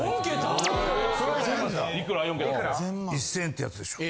１０００ってやつでしょ。